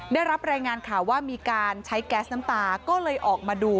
ได้รับรายงานข่าวว่ามีการใช้แก๊สน้ำตาก็เลยออกมาดู